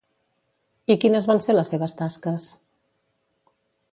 I quines van ser les seves tasques?